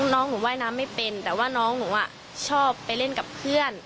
น้องหนูว่ายน้ำไม่เป็นแต่ว่าน้องหนูชอบไปเล่นกับเพื่อน